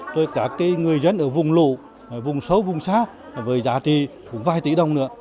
rồi cả cái người dân ở vùng lụ vùng sâu vùng xa với giá trị cũng vài tỷ đồng nữa